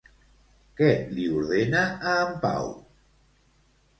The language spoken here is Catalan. Què li ordena a en Pau?